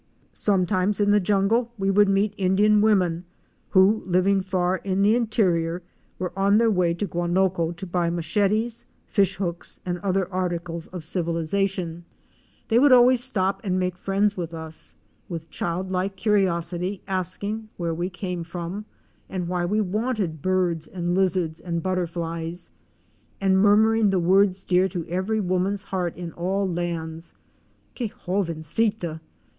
Sometimes in the jungle we would meet Indian women who, living far in the interior, were on their way to Guanoco to buy machetes, fish hooks and other articles of civilization. A WOMAN'S EXPERIENCES IN VENEZUELA. 103 They would always stop and make friends with us, with child like curiosity asking where we came from, and why we wanted birds and lizards and butterflies, and murmuring the words dear to every woman's heart in all lands, " Que joven cia!"